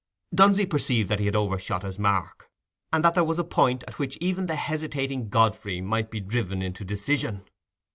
Dunsey perceived that he had overshot his mark, and that there was a point at which even the hesitating Godfrey might be driven into decision.